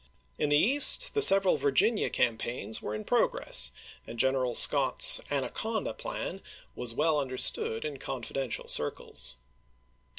In the East the several Virginia campaigns were in progress, and General Scott's " anaconda " plan was well understood in confidential circles.